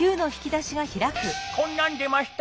こんなんでました。